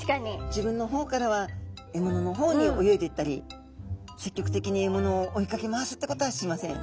自分の方からは獲物の方に泳いでいったり積極的に獲物を追いかけ回すってことはしません。